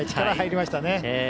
力が入りましたね。